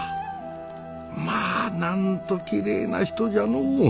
まあなんときれいな人じゃのう。